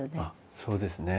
そうですね。